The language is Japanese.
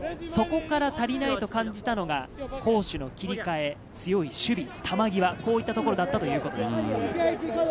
そこから足りないと感じたのが攻守の切り替え、強い守備、球際、こういったところだったということです。